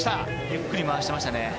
ゆっくり回しましたね。